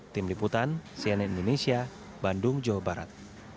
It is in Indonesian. tim liputan cnn indonesia bandung jawa barat